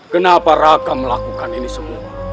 kenapa raka melakukan ini semua